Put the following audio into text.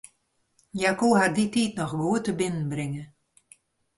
Hja koe har dy tiid noch goed tebinnenbringe.